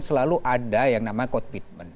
selalu ada yang namanya komitmen